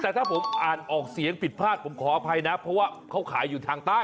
แต่ถ้าผมอ่านออกเสียงผิดพลาดผมขออภัยนะเพราะว่าเขาขายอยู่ทางใต้